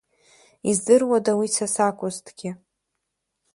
Издыруада уи са сакәызҭгьы?